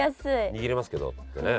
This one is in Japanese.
「握れますけど」ってね。